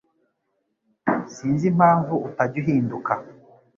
sinzi impamvu utajya uhinduka